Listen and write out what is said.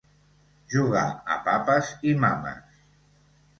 Jugar a papes i mames.